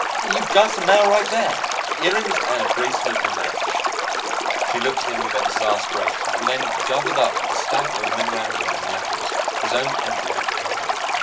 "You've got some mail right there. Earrings and a bracelet to match." She looked at him with exasperation, and then gathered up a stack of memorandums and letters, his own envelope atop it.